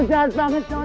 cak banget cak